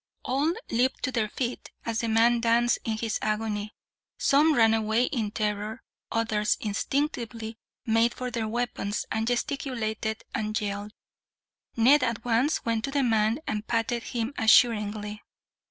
All leaped to their feet, as the man danced in his agony. Some ran away in terror, others instinctively made for their weapons, all gesticulated and yelled. Ned at once went to the man and patted him assuringly.